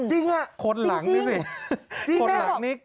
จริงน่ะขทรหลังนี้สิจริงจริงน่ะ